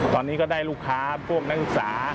ตอนนี้ก็ได้ลูกค้าพวกนักศึกษา